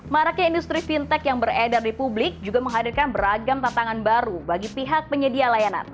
maraknya industri fintech yang beredar di publik juga menghadirkan beragam tantangan baru bagi pihak penyedia layanan